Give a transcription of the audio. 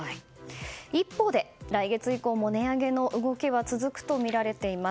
一方、来月以降も値上げの動きが続くとみられています。